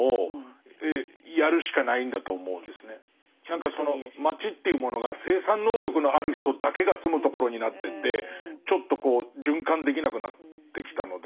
何かその街というものが生産能力のある人だけが住むところになっててちょっとこう循環できなくなってきたので。